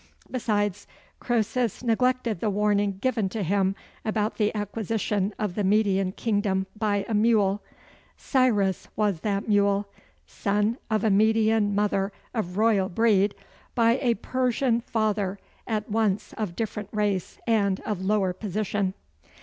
Besides, Croesus neglected the warning given to him about the acquisition of the Median kingdom by a mule: Cyrus was that mule son of a Median mother of royal breed, by a Persian father at once of different race and of lower position."